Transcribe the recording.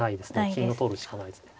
金を取るしかないですね。